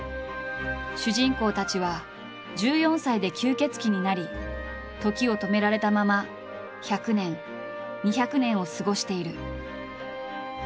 主人公たちは１４歳で吸血鬼になり時を止められたまま１００年２００年を過ごしている。